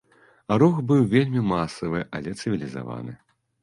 Рух быў вельмі масавы, але цывілізаваны.